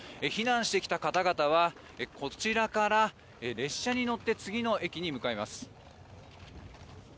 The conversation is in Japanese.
避難してきた方々はこちらから列車に乗って次の駅に向かいます。